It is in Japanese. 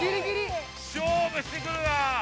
勝負して来るなぁ。